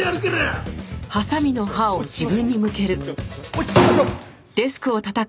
落ち着きましょう。